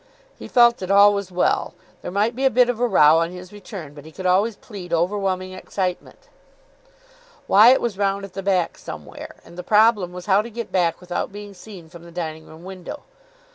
He felt that all was well. There might be a bit of a row on his return, but he could always plead overwhelming excitement. Wyatt was round at the back somewhere, and the problem was how to get back without being seen from the dining room window.